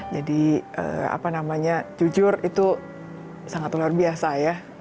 jadi apa namanya jujur itu sangat luar biasa ya